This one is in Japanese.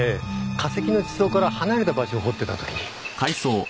化石の地層から離れた場所を掘ってた時に。